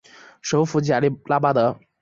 首府贾利拉巴德。